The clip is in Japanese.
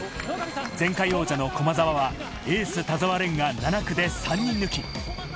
前回王者の駒澤はエース・田澤廉が７区で３人抜き。